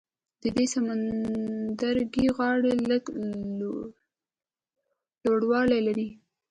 د دې سمندرګي غاړې لږ لوړوالی لري.